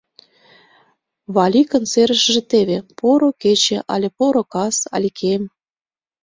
Валикын серышыже теве: «Поро кече але поро кас, Аликем!